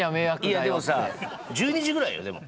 いやでもさ１２時ぐらいよでも。